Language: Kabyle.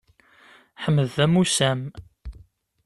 Ḥmed d amusam.